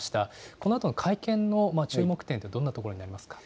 このあとの会見の注目点、どんなところにありますか。